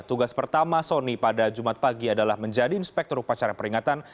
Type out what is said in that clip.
tugas pertama sony pada jumat pagi adalah menjadi inspektur upacara peringatan